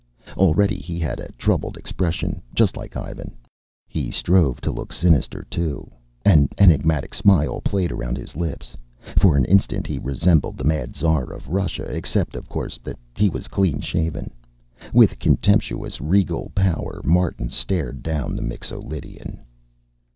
Already he had a troubled expression, just like Ivan. He strove to look sinister too. An enigmatic smile played around his lips. For an instant he resembled the Mad Tsar of Russia, except, of course, that he was clean shaven. With contemptuous, regal power Martin stared down the Mixo Lydian.